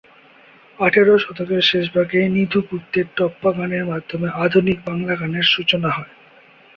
আঠারো শতকের শেষভাগে নিধু গুপ্তের টপ্পা গানের মাধ্যমে আধুনিক বাংলা গানের সূচনা হয়।